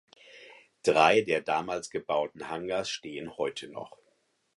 Drei der damals gebauten Hangars stehen heute noch.